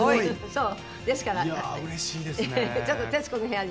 そう？